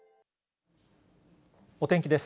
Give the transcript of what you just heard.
お天気です。